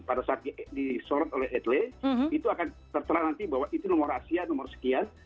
pada saat disorot oleh etle itu akan tertera nanti bahwa itu nomor rahasia nomor sekian